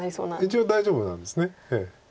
一応大丈夫なんです。